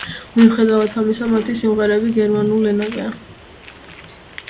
მიუხედავად ამისა, მათი სიმღერები გერმანულ ენაზეა.